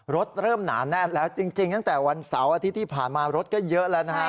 รถเริ่มหนาแน่นแล้วจริงตั้งแต่วันเสาร์อาทิตย์ที่ผ่านมารถก็เยอะแล้วนะฮะ